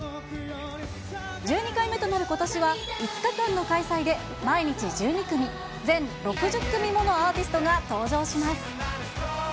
１２回目となる今年は、５日間の開催で、毎日１２組、全６０組ものアーティストが登場します。